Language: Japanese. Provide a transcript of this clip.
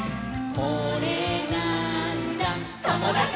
「これなーんだ『ともだち！』」